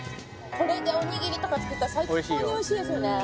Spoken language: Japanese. これでおにぎりとか作ったら最高においしいですよね